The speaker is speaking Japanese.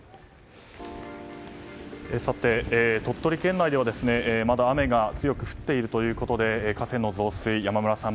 鳥取県内ではまだ雨が強く降っているということで河川の増水、山村さん